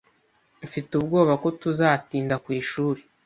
Mfite ubwoba ko tuzatinda kwishuri.